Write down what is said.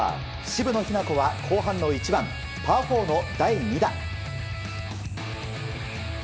渋野日向子は後半の１番パー４の第２打。